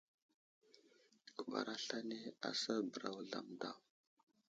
Guɓar aslane asər bəra Wuzlam daw.